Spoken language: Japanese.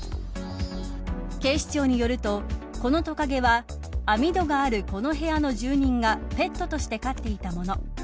警視庁によると、このトカゲは網戸があるこの部屋の住人がペットとして飼っていたもの。